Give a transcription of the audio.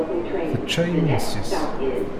Tečča imensi-s.